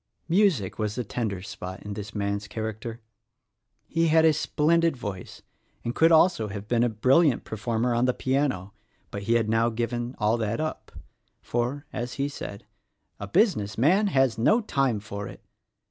Music was the tender spot in this man's character. He had a spllendid voice, and could also have been a brilliant performer on the piano, but he had now given all that up; for, as he said, "A business man has no time for it!"